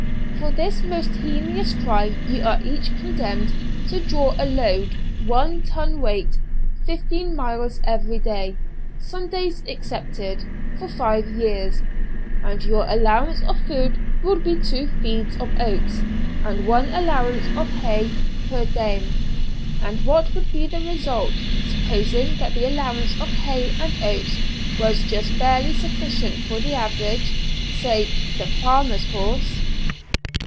For this most heinous crime you are each condemned to draw a load, one ton weight, fifteen miles every day Sundays excepted for five years, and your allowance of food will be two feeds of oats, and one allowance of hay per diem;" and what would be the result, supposing that the allowance of hay and oats was just barely sufficient for the average say the farmer's horse?